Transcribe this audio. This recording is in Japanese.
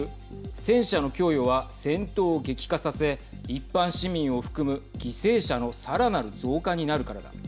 戦車の供与は戦闘を激化させ一般市民を含む犠牲者のさらなる増加になるからだ。